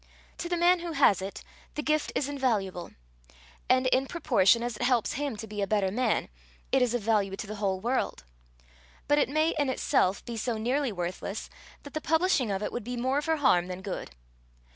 To the man who has it, the gift is invaluable; and, in proportion as it helps him to be a better man, it is of value to the whole world; but it may, in itself, be so nearly worthless, that the publishing of it would be more for harm than good.